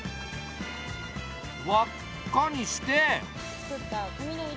わっかにして。